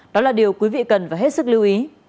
đó là điều quý vị cần phải hết sức lưu ý